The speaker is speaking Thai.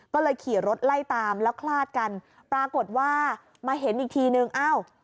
ก็เลยขี่รถไล่ตามแล้วคลาดกันปรากฏว่ามาเห็นอีกทีนึงอ้าว